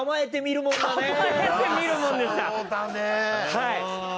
はい。